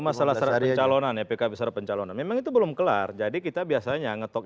adalah secara calonannya pkp secara pencalonan memang itu belum kelar jadi kita biasanya ngetok